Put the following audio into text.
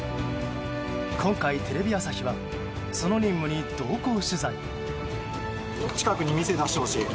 今回、テレビ朝日はその任務に同行取材。